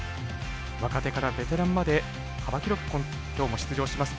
若手からベテランまで幅広くきょうも出場します。